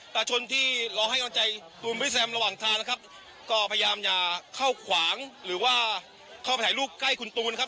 ประชาชนที่รอให้กำลังใจตูนบริแซมระหว่างทางนะครับก็พยายามอย่าเข้าขวางหรือว่าเข้าไปถ่ายรูปใกล้คุณตูนครับ